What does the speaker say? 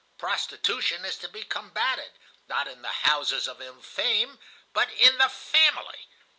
Prostitution is to be combated, not in the houses of ill fame, but in the family.